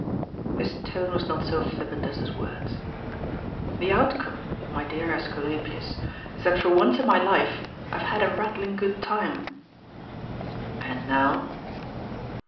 His tone was not so flippant as his words. "The outcome, my dear iEsculapius, is that for once in my life I have had a rattling good time.'* "And now?"